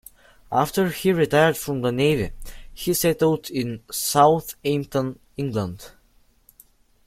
After he retired from the Navy, he settled in Southampton, England.